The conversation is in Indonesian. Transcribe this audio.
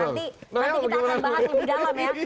nanti kita akan bahas lebih dalam ya